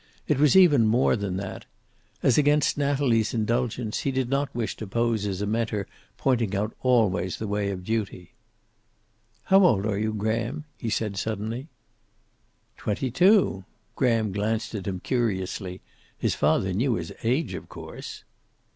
It was even more than that. As against Natalie's indulgence he did not wish to pose as a mentor pointing out always the way of duty. "How old are you, Graham?" he said suddenly. "Twenty two." Graham glanced at him curiously. His father knew his age, of course.